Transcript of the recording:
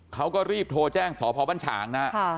เขาก็รีบโทรแจ้งสพบ้านฉางนะครับ